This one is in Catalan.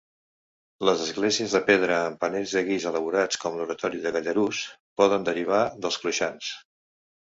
Les esglésies de pedra amb panells de guix elaborats, com l'oratori de Gallarus, poden derivar dels cloxans.